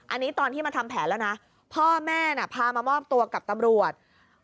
อันนี้ตอนที่มาทำแผนแล้วนะพ่อแม่น่ะพามามอบตัวกับตำรวจ